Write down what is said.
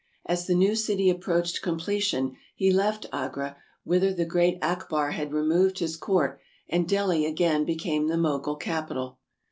As the new city approached completion he left Agra, whither the great Akbar had removed his court, and Delhi again became the Mogul capital.